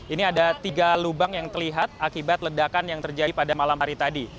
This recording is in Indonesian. ini ada tiga lubang yang terlihat akibat ledakan yang terjadi pada malam hari tadi